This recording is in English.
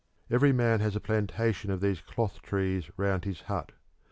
Every man has a plantation of these cloth trees round his hut.